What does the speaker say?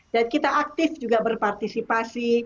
dan kita aktif juga berpartisipasi